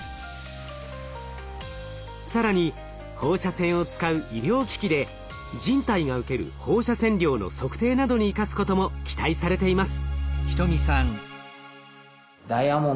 更に放射線を使う医療機器で人体が受ける放射線量の測定などに生かすことも期待されています。